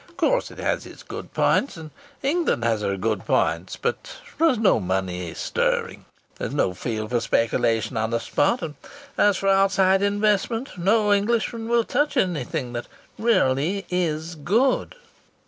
Of course it has its good points, and England has her good points; but there's no money stirring. There's no field for speculation on the spot, and as for outside investment, no Englishman will touch anything that really is good."